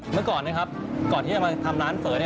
เมื่อก่อนนะครับก่อนที่จะมาทำร้านเฟ้อ